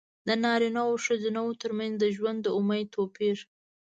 د نارینه وو او ښځینه وو ترمنځ د ژوند د امید توپیر.